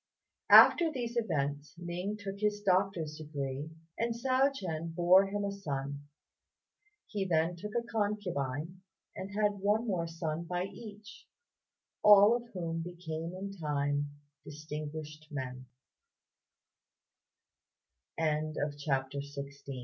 After these events Ning took his doctor's degree and Hsiao ch'ien bore him a son. He then took a concubine, and had one more son by each, all of whom became in time distinguished men.